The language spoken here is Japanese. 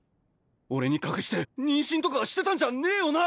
俺に隠して妊娠とかしてたんじゃねえよな？